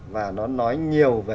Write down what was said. và nó nói nhiều về